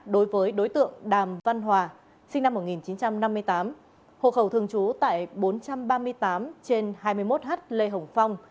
đối với đối tượng đàm văn hòa sinh năm một nghìn chín trăm năm mươi tám hộ khẩu thường trú tại bốn trăm ba mươi tám trên hai mươi một h lê hồng phong